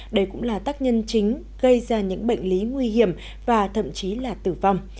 đây cũng là tác nhân chính gây ra những bệnh lý nguy hiểm và thậm chí là tử vong